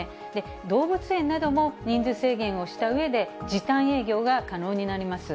動物園なども、人数制限をしたうえで、時短営業が可能になります。